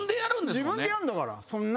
自分でやるんだから。